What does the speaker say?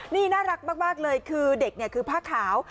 นี่น่ารักมากเลยคือเด็กภาคขาว